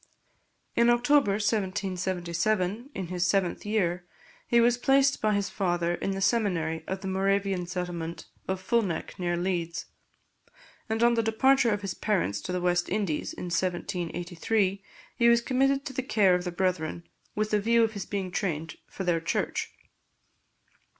In October 1777, in his seventh year, he was placed by his father in the seminary of the Moravian settlement of Fulneck, near Leeds; and on the departure of his parents to the West Indies, in 1783, he was committed to the care of the Brethren, with the view of his being trained for their Church.